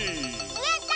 やった！